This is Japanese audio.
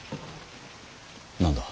何だ。